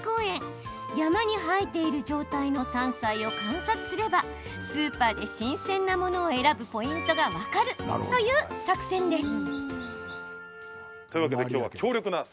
山に生えている状態の山菜を観察すればスーパーで新鮮なものを選ぶポイントが分かるという作戦です。